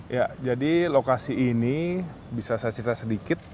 ya jadi lokasi ini bisa saya cerita sedikit